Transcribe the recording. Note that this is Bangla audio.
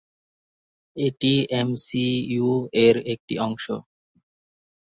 এটি এমসিইউ এর একটি অংশ।